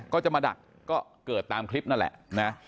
ก็จะมาดักก็เกิดตามคลิปนั่นแหละนะ